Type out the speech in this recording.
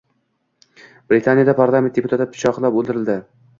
Britaniyada parlament deputati pichoqlab o‘ldirildi